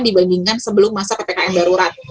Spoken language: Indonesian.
dibandingkan sebelum masa ppkm darurat